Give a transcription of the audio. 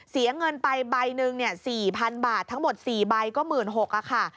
เสียเงินไปใบหนึ่ง๔๐๐๐บาททั้งหมด๔ใบก็๑๖๐๐บาทค่ะ